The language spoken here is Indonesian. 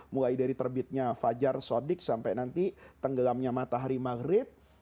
mulai dari terbitnya fajar sodik sampai nanti tenggelamnya matahari maghrib